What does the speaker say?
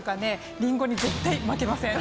りんごに絶対負けません！